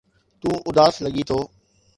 تون اداس لڳين ٿو